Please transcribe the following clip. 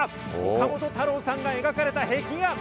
岡本太郎さんが描かれた壁画。